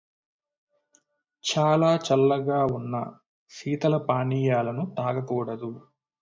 చాలా చల్లగా ఉన్న శీతల పానీయాలను తాగకూడదు.